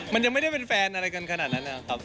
มันยังไม่ได้เป็นแฟนอะไรกันขนาดนั้นนะครับ